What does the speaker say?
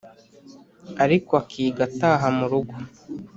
ariko akiga ataha mu rugo.